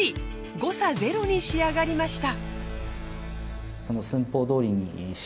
誤差ゼロに仕上がりました。